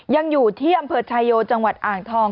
ยังอยู่ที่อำเภอชายโยจังหวัดอ่างทอง